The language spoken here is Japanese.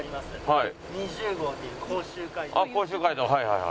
はい。